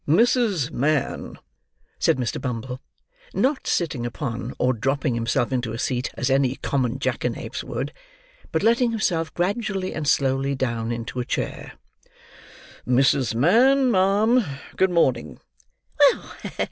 "Mrs. Mann," said Mr. Bumble; not sitting upon, or dropping himself into a seat, as any common jackanapes would: but letting himself gradually and slowly down into a chair; "Mrs. Mann, ma'am, good morning."